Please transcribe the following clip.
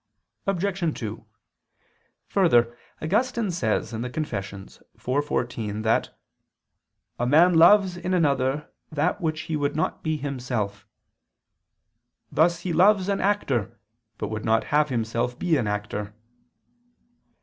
Obj. 2: Further, Augustine says (Confess. iv, 14) that "a man loves in another that which he would not be himself: thus he loves an actor, but would not himself be an actor."